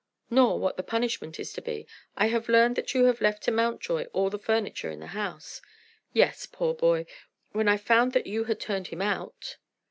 "Nor what the punishment is to be. I have learned that you have left to Mountjoy all the furniture in the house." "Yes, poor boy! when I found that you had turned him out."